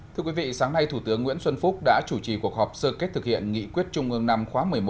thưa quý vị sáng nay thủ tướng nguyễn xuân phúc đã chủ trì cuộc họp sơ kết thực hiện nghị quyết trung ương năm khóa một mươi một